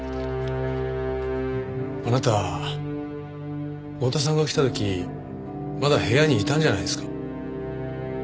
あなた剛田さんが来た時まだ部屋にいたんじゃないですか？